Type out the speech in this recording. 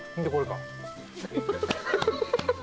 でこれか。